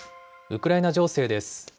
ウクライナ情勢です。